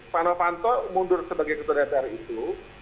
pak novanto mundur sebagai ketua dpr itu